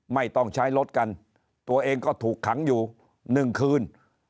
ไม่ต้องใช้รถกันตัวเองก็ถูกขังอยู่๑คืน